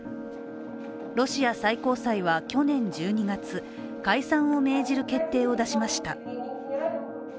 ロシア最高裁は去年１２月解散を命じる決定を出しました。